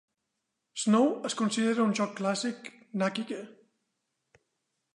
"Snow" es considera un joc clàssic "nakige".